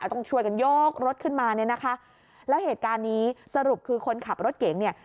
ต้องช่วยกันยกรถขึ้นมาเนี่ยนะคะแล้วเหตุการณ์นี้สรุปคือคนขับรถเก๋งเนี่ย